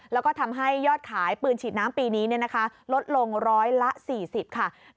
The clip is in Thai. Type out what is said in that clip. แล้วก็ทำให้ยอดขายปืนฉีดน้ำปีนี้ลดลง๑๔๐บาท